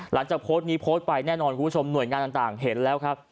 หลังจากโพสต์นี้โพสต์ไปแน่นอนคุณผู้ชมหน่วยงานต่างเห็นแล้วครับ